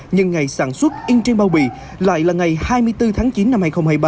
nhưng ngày sản xuất in trên bao bì lại là ngày hai mươi bốn tháng chín năm hai nghìn hai mươi ba